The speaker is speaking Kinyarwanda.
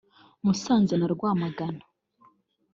Musanze na Rwamagana